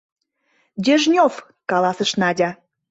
- Дежнев, - каласыш Надя.